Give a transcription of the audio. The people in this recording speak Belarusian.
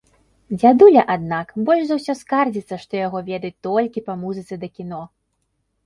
Дзядуля, аднак, больш за ўсё скардзіцца, што яго ведаюць толькі па музыцы да кіно.